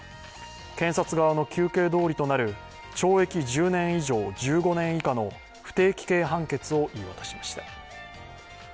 検察側の求刑どおりとなる懲役１０年以上１５年以下の不定期刑判決を言い渡しました。